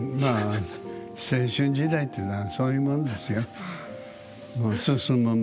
青春時代っていうのはそういうものですよ。